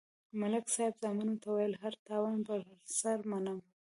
ملک صاحب زامنو ته ویل: هر تاوان پر سر منم.